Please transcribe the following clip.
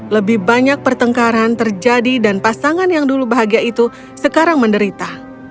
lebih banyak pertengkaran terjadi dan pasangan yang dulu bahagia itu sekarang menderita